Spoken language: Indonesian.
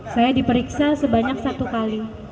saya diperiksa sebanyak satu kali